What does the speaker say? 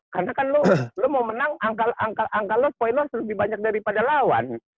karena kan lo mau menang angka lo poin lo lebih banyak daripada lawan